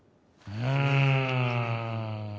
うん。